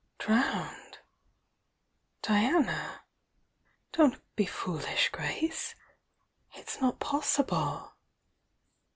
"Drowned! Diana! Don't be foolish, Grace! It's not possible!"